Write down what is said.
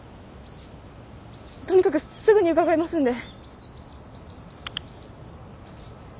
とにかくすぐに伺いますんで。